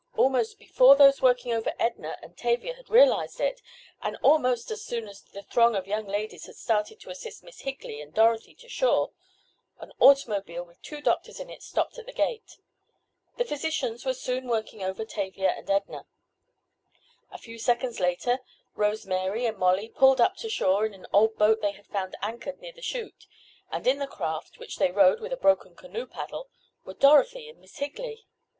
Almost before those working over Edna and Tavia had realized it, and, almost as soon as the throng of young ladies had started to assist Miss Higley and Dorothy to shore, an automobile with two doctors in it stopped at the gate. The physicians were soon working over Tavia and Edna. A few seconds later Rose Mary and Molly pulled up to shore in an old boat they had found anchored near the chute, and in the craft, which they rowed with a broken canoe paddle, were Dorothy and Miss Higley!